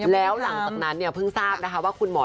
แล้วหลังจากนั้นเนี่ยเพิ่งทราบนะคะว่าคุณหมอ